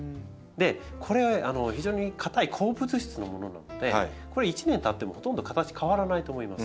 これ非常に硬い鉱物質のものなのでこれ１年たってもほとんど形変わらないと思います。